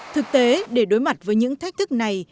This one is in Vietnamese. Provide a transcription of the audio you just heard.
thực tế để đối mặt với những thách thức này